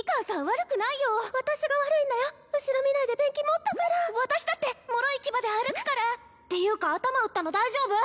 悪くないよ私が悪いんだよ後ろ見ないでペンキ持ったから私だってもろい騎馬で歩くからっていうか頭打ったの大丈夫？